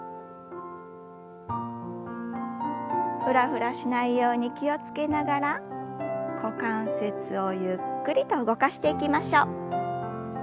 フラフラしないように気を付けながら股関節をゆっくりと動かしていきましょう。